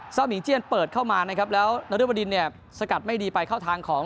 หมีงเจียนเปิดเข้ามานะครับแล้วนริบดินเนี่ยสกัดไม่ดีไปเข้าทางของ